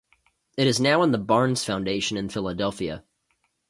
It is now in the Barnes Foundation in Philadelphia.